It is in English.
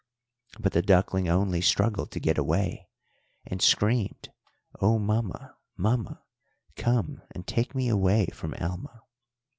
"But the duckling only struggled to get away and screamed, 'Oh, mamma, mamma, come and take me away from Alma!'